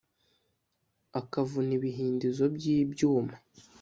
Akavuna ibihindizo byibyuma